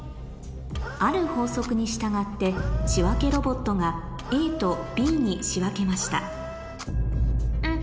ある法則に従って仕分けロボットがＡとＢに仕分けましたん？